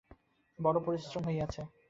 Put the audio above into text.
বড় পরিশ্রম হইয়াছে।